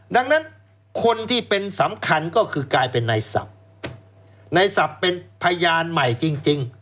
ดังนั้นคนที่เป็นสำคัญก็คือกลายเป็นในศัพท์ในศัพท์เป็นพยานใหม่จริง